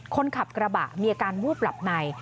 คนขับกระบะมีอาการวูบหลับใน